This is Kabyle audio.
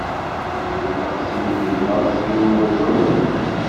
Wteɣ sin yegḍaḍ s yiwen weẓru.